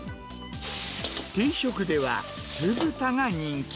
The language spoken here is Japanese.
定食では、酢豚が人気。